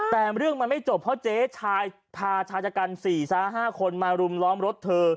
แต่เรื่องมันไม่จบเพราะเจ๊ชายพาชายชะกัน๔๕คนมารุมล้อมรถเธอ